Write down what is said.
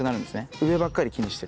上ばっかり気にしてると。